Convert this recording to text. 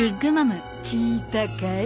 聞いたかい？